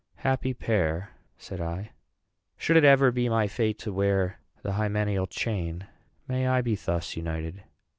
"Happy pair!" said I. "Should it ever be my fate to wear the hymeneal chain, may I be thus united!